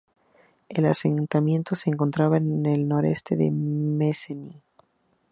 El asentamiento se encontraba al noroeste de Mesene.